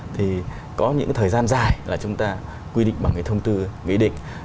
thì có những cái thời gian dài là chúng ta quy định bằng cái thông tư nghị định